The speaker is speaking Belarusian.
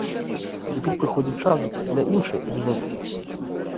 І тут прыходзіць час для іншай экзотыкі.